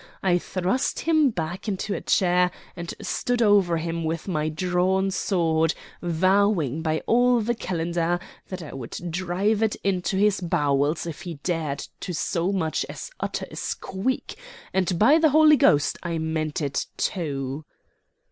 I thrust him back into a chair and stood over him with my drawn sword, vowing by all the calendar that I would drive it into his bowels if he dared to so much as utter a squeak; and, by the Holy Ghost! I meant it too."